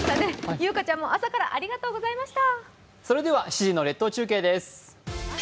ゆうかちゃんも朝からありがとうございました。